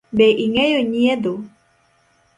Be ing’eyo nyiedho?